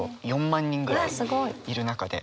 ４万人ぐらいいる中で。